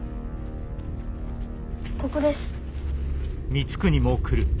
ここです。